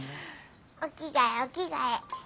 お着替えお着替え。